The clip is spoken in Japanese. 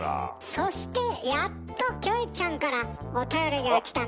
そしてやっとキョエちゃんからおたよりが来たみたいですよ。